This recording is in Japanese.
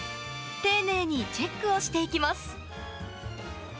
丁寧にチェックをしていきます。